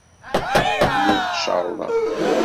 Lliɣ cerrḍeɣ.